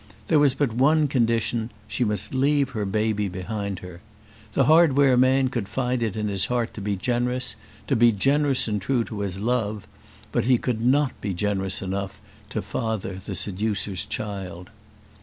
There was but one condition; she must leave her baby behind her. The hardware man could find it in his heart to be generous, to be generous and true to his love; but he could not be generous enough to father the seducer's child.